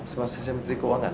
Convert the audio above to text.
semasa saya menteri keuangan